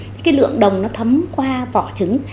cái lượng đồng nó thấm qua vỏ trứng